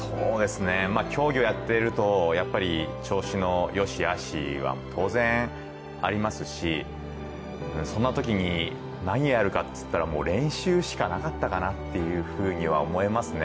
競技をやっていると調子のよしあしは当然ありますし、そんなときに何をやるかといったらもう練習しかなかったかなっていうふうには思いますね。